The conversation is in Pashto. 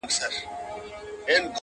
زما هغه معاش هغه زړه کیسه ده-